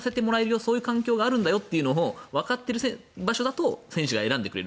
そういう環境があるんだよってわかっている場所だと選手が選んでくれる。